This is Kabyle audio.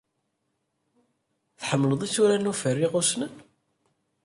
Tḥemmled isura n uferriɣ ussnan?